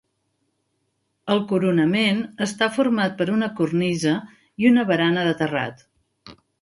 El coronament està format per una cornisa i una barana de terrat.